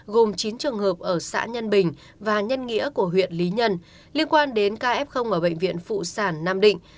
gồm chín trường hợp ở xã nhân bình và nhân nghĩa của huyện lý nhân liên quan đến caf ở bệnh viện phụ sản nam định